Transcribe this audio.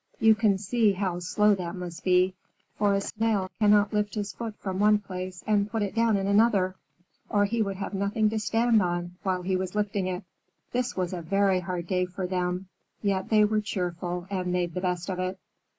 You can see how slow that must be, for a Snail cannot lift his foot from one place and put it down in another, or he would have nothing to stand on while he was lifting it. This was a very hard day for them, yet they were cheerful and made the best of it.